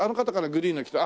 グリーンの着た。